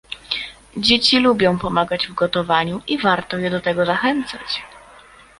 Dzieci lubią pomagać w gotowaniu i warto je do tego zachęcać